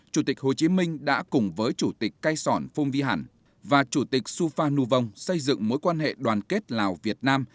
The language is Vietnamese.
chủ tịch hồ chí minh đã cùng với chủ tịch cai sọn phung vi hẳn và chủ tịch supha nhu vong xây dựng mối quan hệ đoàn kết lào việt nam